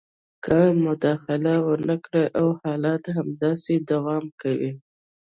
که مداخله ونه کړي او حالات همداسې دوام کوي